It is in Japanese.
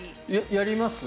やります？